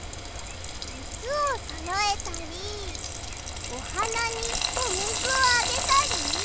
くつをそろえたりおはなにおみずをあげたり？